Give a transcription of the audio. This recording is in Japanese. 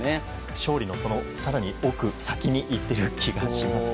勝利の更に奥、その先にいっている気がしますよね。